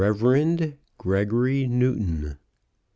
GREGORY NEWTON.